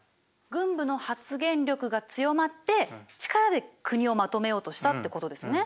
軍部の発言力が強まって力で国をまとめようとしたってことですね。